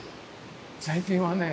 最近はね